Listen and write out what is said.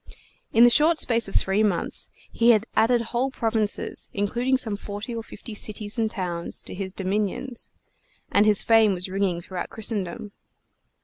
In the short space of three months he had added whole provinces, including some forty or fifty cities and towns, to his dominions; and his fame was ringing throughout Christendom.